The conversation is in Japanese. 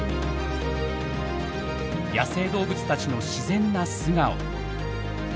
野生動物たちの自然な素顔。